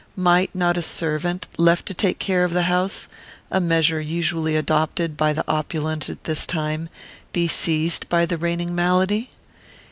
Might not a servant, left to take care of the house, a measure usually adopted by the opulent at this time, be seized by the reigning malady?